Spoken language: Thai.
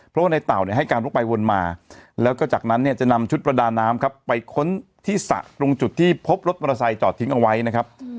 เพราะว่าในเต่าเนี่ยให้การวกไปวนมาแล้วก็จากนั้นเนี่ยจะนำชุดประดาน้ำครับไปค้นที่สระตรงจุดที่พบรถมอเตอร์ไซค์จอดทิ้งเอาไว้นะครับ